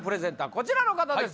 こちらの方です